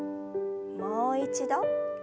もう一度。